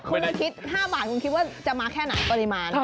คุณคิด๕บาทคุณคิดว่าจะมาเกี่ยวกับปริมาณ